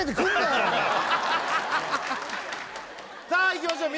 さあいきましょう